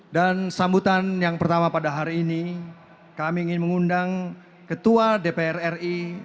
dan sambutan yang pertama pada hari ini kami ingin mengundang ketua dpr ri